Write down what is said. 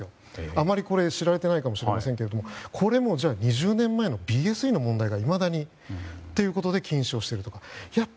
あまり知られていないかもしれませんがこれも２０年前のＢＳＥの問題ということでいまだにということで禁止をしていると。